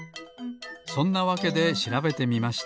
そんなわけでしらべてみました。